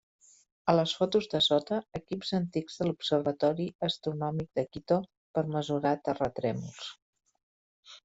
A les fotos de sota, equips antics de l'Observatori Astronòmic de Quito per mesurar terratrèmols.